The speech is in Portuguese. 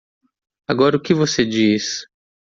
Agora o que você diz?